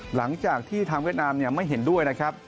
หลังจากที่ทางเวียดนามไม่เห็นด้วยนะครับ